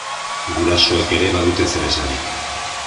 Gurasoek ere badute zer esanik.